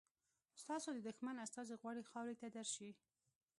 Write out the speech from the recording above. ستاسو د دښمن استازی غواړي خاورې ته درشي.